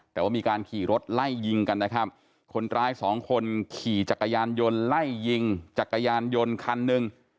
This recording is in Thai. แต่ว่ามีการขี่รถไล่ยิงกันนะครับคนร้ายสองคนขี่จักรยานยนต์ไล่ยิงจักรยานยนต์คันหนึ่ง